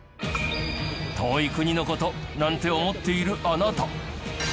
遠い国の事なんて思っているあなた。